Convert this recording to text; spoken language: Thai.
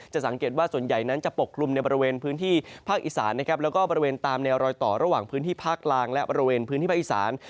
สังเกตว่าส่วนใหญ่นั้นจะปกคลุมในบริเวณพื้นที่ภาคอีสานนะครับแล้วก็บริเวณตามแนวรอยต่อระหว่างพื้นที่ภาคกลางและบริเวณพื้นที่ภาคอีสาน